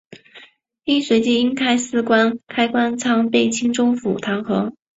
但随即因私开官仓被青州府弹劾。